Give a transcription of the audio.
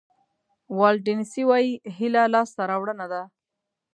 والټ ډیسني وایي هیله لاسته راوړنه ده.